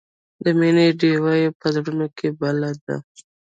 د مینې ډیوه یې په زړونو کې بله ده.